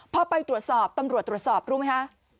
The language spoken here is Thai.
พอไปตรวจสอบตำรวจตรวจสอบรู้ไหมคะ